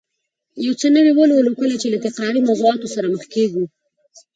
یو څه نوي ولولو، کله چې له تکراري موضوعاتو سره مخ کېږو